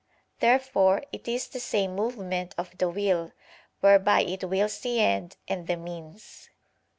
Therefore it is the same movement of the will, whereby it wills the end and the means.